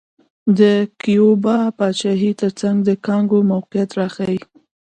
د کیوبا پاچاهۍ ترڅنګ د کانګو موقعیت راښيي.